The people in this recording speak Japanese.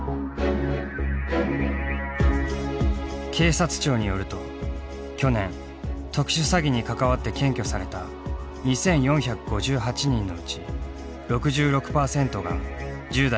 警察庁によると去年特殊詐欺に関わって検挙された２，４５８人のうち６６％が１０代から２０代の若者だった。